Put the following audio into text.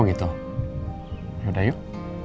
oh gitu yaudah yuk